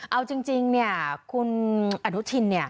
เอาจริงคุณอนุทิน